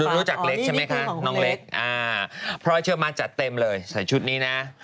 รู้จักเล็กใช่ไหมคะน้องเล็กพรอยเชื่อมั่นจัดเต็มเลยใส่ชุดนี้นะ